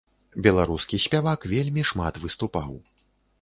Беларускі спявак вельмі шмат выступаў.